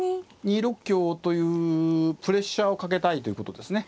２六香というプレッシャーをかけたいということですね。